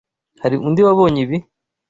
Hari undi wabonye ibi?